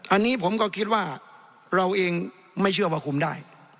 อันนี้ผมก็คิดว่าเราเองไม่เชื่อว่าคุมได้